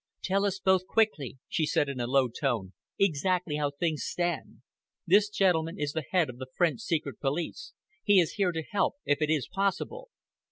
"Tell us both quickly," she said in a low tone, "exactly how things stand. This gentleman is the head of the French secret police. He is here to help, if it is possible."